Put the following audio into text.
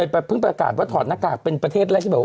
เพิ่งประกาศว่าถอดหน้ากากเป็นประเทศแรกที่แบบ